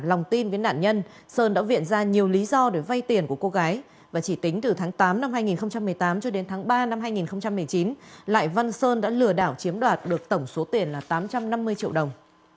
lại văn sơn đã lừa đảo chiếm đoạt được tổng số tiền là tám trăm năm mươi triệu đồng